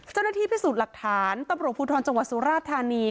เจ้าหน้าที่พิสูจน์หลักฐานตำรวจภูทรจังหวัดสุราธานี